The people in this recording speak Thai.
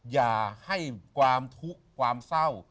อย่าให้ความทุกข์ความเศร้า